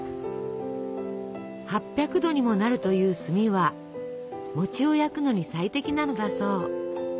８００℃にもなるという炭は餅を焼くのに最適なのだそう。